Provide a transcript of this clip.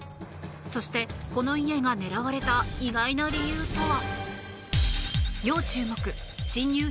そして、この家が狙われた意外な理由とは。